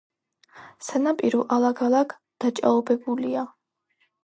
სანაპირო ალაგ-ალაგ დაჭაობებულია.